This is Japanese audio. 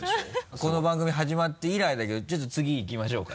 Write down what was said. この番組始まって以来だけどちょっと次いきましょうか。